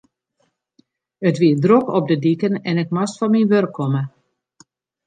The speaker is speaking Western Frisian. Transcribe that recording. It wie drok op de diken en ik moast fan myn wurk komme.